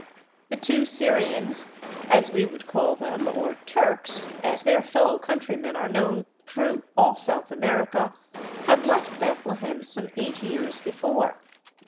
The two Syrians, as we would call them, or " Turks," as their fel j low countrymen are known through all South America, had left Beth lehem some eight years before.